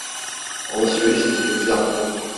Alışveriş listesi yaptım.